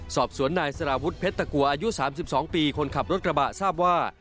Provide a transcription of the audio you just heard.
สอบสวนนายสารวุฒิเพชรตะกัวอายุ๓๒ปีคนขับรถกระบะทราบว่า